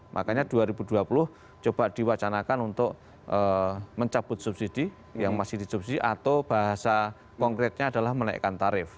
makanya dua ribu dua puluh coba diwacanakan untuk mencabut subsidi yang masih disubsidi atau bahasa konkretnya adalah menaikkan tarif